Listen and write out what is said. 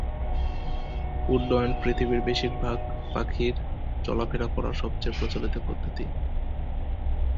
উড্ডয়ন পৃথিবীর বেশিরভাগ পাখির চলাফেরা করার সবচেয়ে প্রচলিত পদ্ধতি।